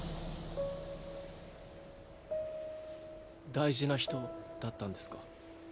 大事な人だったんですか？